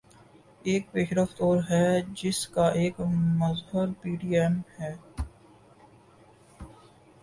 ایک پیش رفت اور ہے جس کا ایک مظہر پی ٹی ایم ہے۔